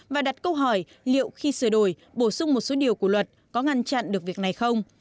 và đặt câu hỏi liệu khi sửa đổi bổ sung một số điều của luật có ngăn chặn được việc này không